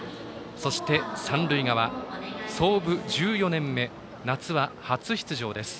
そして、三塁側創部１４年目夏は初出場です。